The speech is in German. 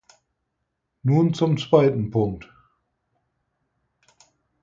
Nun zum zweiten Punkt.